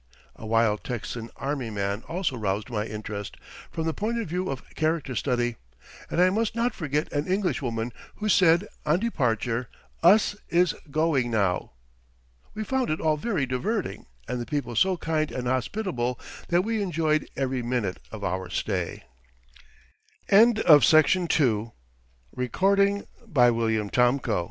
A wild Texan army man also roused my interest, from the point of view of character study; and I must not forget an Englishwoman, who said, on departure, "Us is going now." We found it all very diverting and the people so kind and hospitable that we enjoyed every minute of our stay. CHAPTER II MYTHS AND MELES Native Hawaiians big,